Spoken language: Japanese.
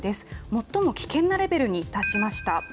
最も危険なレベルに達しました。